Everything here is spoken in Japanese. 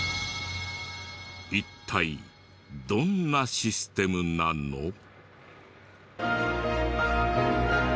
一体どんなシステムなの？